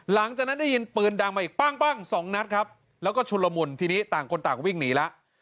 หลังจากนั้นได้ยินปืนดังมาอีกปั้งปั้งสองนัดครับแล้วก็ชุนละมุนทีนี้ต่างคนต่างวิ่งหนีแล้ว